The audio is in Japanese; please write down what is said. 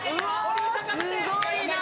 すごいな。